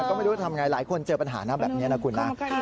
ก็ไม่รู้ทำอย่างไรหลายคนเจอปัญหาหน้าแบบนี้นะคุณนะ